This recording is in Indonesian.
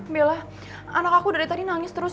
bella anak aku dari tadi nangis terus